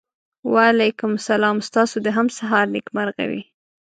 وعلیکم سلام ستاسو د هم سهار نېکمرغه وي.